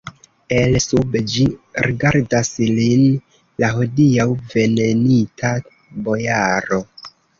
El sub ĝi rigardas lin la hodiaŭ venenita bojaro.